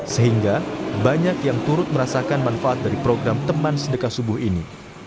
sehingga banyak yang turut merasakan manfaat dari program teman sedekah subuh ini